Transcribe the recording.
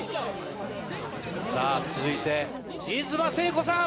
さぁ続いて新妻聖子さん！